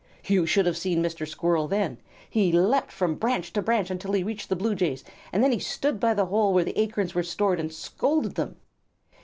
You should have seen Mr. Red Squirrel then! He leaped from branch to branch until he reached the Blue Jays; then he stood by the hole where the acorns were stored, and scolded them.